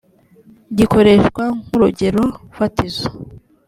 gikoreshwa nk urugero fatizo